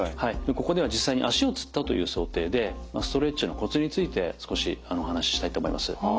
ここでは実際に足をつったという想定でストレッチのコツについて少しお話ししたいと思います。